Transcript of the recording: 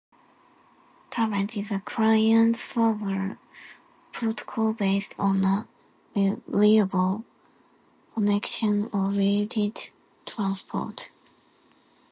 Telnet is a client-server protocol, based on a reliable connection-oriented transport.